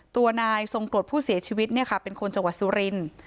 ตัวนายทรงกรดผู้เสียชีวิตเป็นคนจังหวัดสุรินทร์